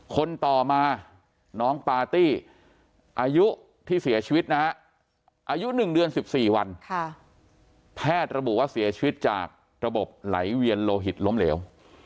คนต่อมาน้องปาร์ตี้อายุที่เสียชีวิตนะฮะอายุ๑เดือน๑๔วันแพทย์ระบุว่าเสียชีวิตจากระบบไหลเวียนโลหิตล้มเหลว